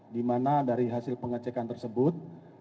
di mana dari hasil pengecekan tersebut